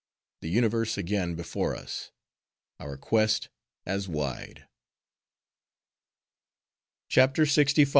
The universe again before us; our quest, as wide. CHAPTER LXV.